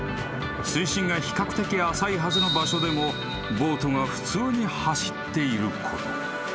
［水深が比較的浅いはずの場所でもボートが普通に走っていること］